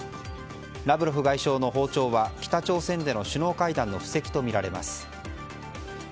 ラブロフ外相の訪朝は北朝鮮での首脳会談の布石とみられます。